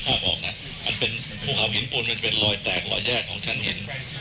ออกนะมันเป็นภูเขาหินปูนมันเป็นรอยแตกรอยแยกของชั้นหิน